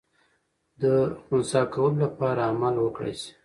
د خنثی کولو لپاره عمل وکړای سي.